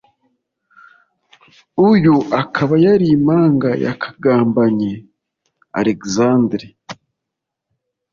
uyu akaba yari impanga ya Kagambanye Alexandre.